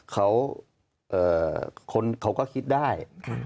เขาก็คิดได้